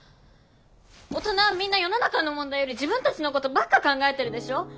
大人はみんな世の中の問題より自分たちのことばっか考えてるでしょ！